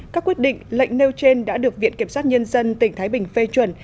các quyết định lệnh nêu trên đã được viện kiểm sát nhân dân tỉnh thái bình phê chuẩn